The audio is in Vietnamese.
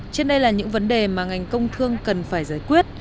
trên đây là những vấn đề mà ngành công thương cần phải giải quyết